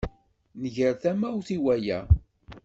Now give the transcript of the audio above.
Nger tamawt i waya.